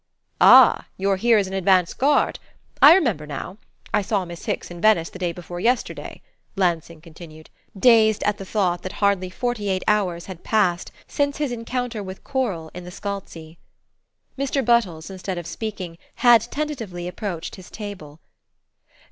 "Ah you're here as an advance guard? I remember now I saw Miss Hicks in Venice the day before yesterday," Lansing continued, dazed at the thought that hardly forty eight hours had passed since his encounter with Coral in the Scalzi. Mr. Buttles, instead of speaking, had tentatively approached his table.